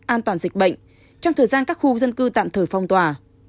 an toàn dịch bệnh trong thời gian các khu dân cư tạm thời phong tỏa